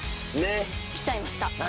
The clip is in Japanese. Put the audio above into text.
ねっ！来ちゃいました。